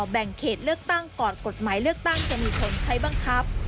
แบ่งเขตเลือกตั้งก่อนกฎหมายเลือกตั้งจะมีผลใช้บังคับ